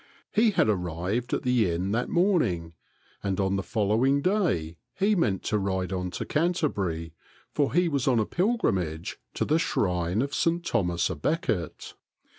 He had arrived at the inn that morning, and on the following day he meant to ride on to Canterbury, for he was on a pilgrimage to the shrine of Saint Thomas a Becket.